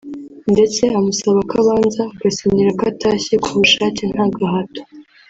ndetse amusaba ko abanza agasinyira ko atashye kubushake nta gahato